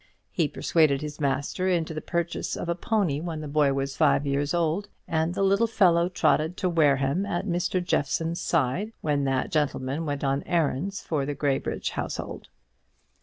He persuaded his master into the purchase of a pony when the boy was five years old, and the little fellow trotted to Wareham at Mr. Jeffson's side when that gentleman went on errands for the Graybridge household.